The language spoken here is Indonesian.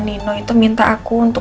oh dah oke mau ke dapur dulu